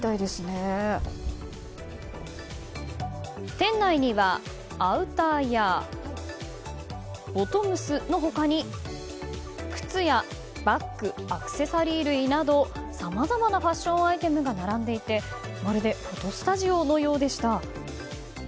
店内にはアウターやボトムスの他に靴や、バッグアクセサリー類などさまざまなファッションアイテムが並んでいてまるでフォトスタジオのようでした。